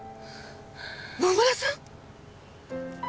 野村さん！？